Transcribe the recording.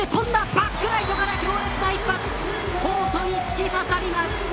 バックライトから強烈な一発コートに突き刺さります。